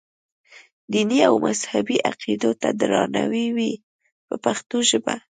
دیني او مذهبي عقیدو ته درناوی وي په پښتو ژبه.